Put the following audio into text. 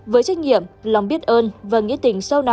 với trách nhiệm lòng biết ơn và nghĩa tình